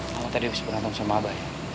kamu tadi habis berantem sama abah ya